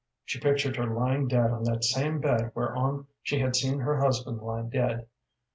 She pictured her lying dead on that same bed whereon she had seen her husband lie dead.